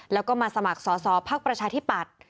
แล้วก็มาสมัครสอสอภักดิ์ประชาธิปัตย์